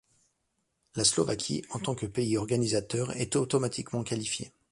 La Slovaquie, en tant que pays organisateur, est automatiquement qualifiée.